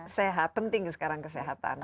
sehat penting sekarang kesehatan